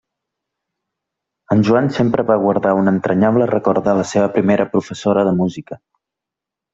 En Joan sempre va guardar un entranyable record de la seva primera professora de música.